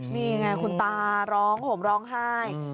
นี่ไงคุณตาร้องห่มร้องไห้